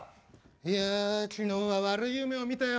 いや昨日は悪い夢を見たよ。